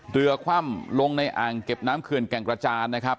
คว่ำลงในอ่างเก็บน้ำเขื่อนแก่งกระจานนะครับ